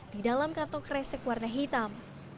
di dalam kantong kresek warna hitam